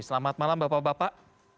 selamat malam bapak bapak